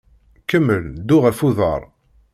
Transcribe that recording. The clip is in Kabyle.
Kemmel ddu ɣef uḍaṛ.